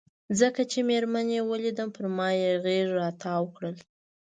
څنګه چې مېرمنې یې ولیدم پر ما یې غېږ را وتاو کړل.